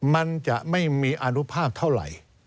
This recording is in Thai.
มันจะไม่มีอนุภาพเท่าไหร่